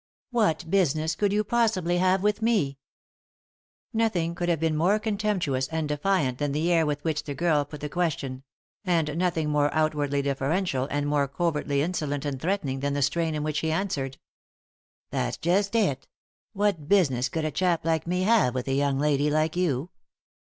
"What business could yon possibly have with mef " 3i 9 iii^d by Google THE INTERRUPTED KISS Nothing could have been more contemptuous and defiant than the air with which the girl put the question ; and nothing more outwardly deferential and more covertly insolent and thrm>t»ming than the strain in which he answered. "That's just it — what business could a chap like me have with a young lady like you